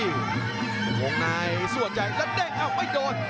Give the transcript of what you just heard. รองรอบนายสวดใจแล้วเด็กเอาไม่โดด